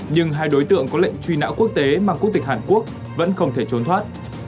nhưng hai đối tượng có lệnh truy nã quốc tế mang quốc tịch hàn quốc vẫn không thể trốn thoát